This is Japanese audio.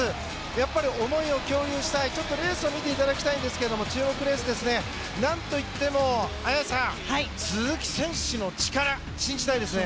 やっぱり思いを共有したいちょっとレースを見ていただきたいんですが注目のレースですねなんといっても綾さん鈴木選手の力、信じたいですね。